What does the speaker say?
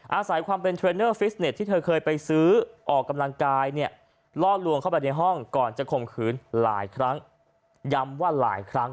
อาศัยความเป็นเทรนเนอร์ฟิชเนตที่เธอเคยไปซื้อออกกำลังกายเนี่ยล่อลวงเข้ามาในห้องก่อนจะคมขืนหลายครั้ง